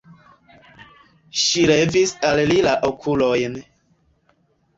Ŝi levis al li la okulojn.